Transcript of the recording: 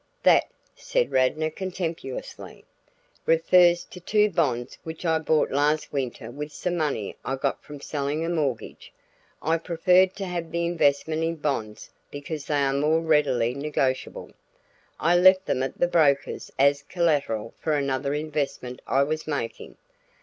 "That," said Radnor contemptuously, "refers to two bonds which I bought last winter with some money I got from selling a mortgage. I preferred to have the investment in bonds because they are more readily negotiable. I left them at my broker's as collateral for another investment I was making.